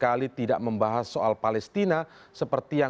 ketika situasi realitas berubah